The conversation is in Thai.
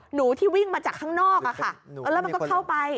หนูที่วิ่งมาจากข้างนอกอะค่ะแล้วมันก็เข้าไป